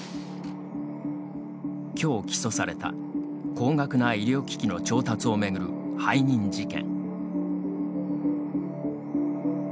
きょう起訴された、高額な医療機器の調達を巡る背任事件。